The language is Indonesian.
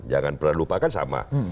jangan pernah lupa kan sama